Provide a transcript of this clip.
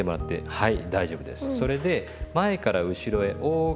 はい。